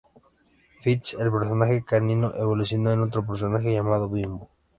Fitz, el personaje canino, evolucionó en otro personaje llamado Bimbo.